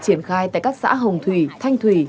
triển khai tại các xã hồng thủy thanh thủy